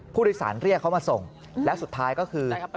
ผู้โดยสารเรียกเขามาส่งแล้วสุดท้ายก็คือ